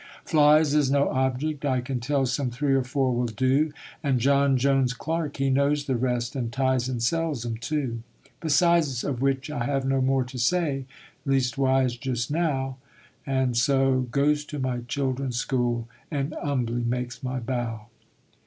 Flies is no object; I can tell some three or four will do, And John Jones, Clerk, he knows the rest, and ties and sells 'em too. Besides of which I have no more to say, leastwise just now, And so, goes to my children's school and 'umbly makes my bow.